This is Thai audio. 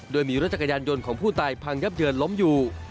โดยมีรถจักรยานยนต์ของผู้ตายพังยับเยินล้มอยู่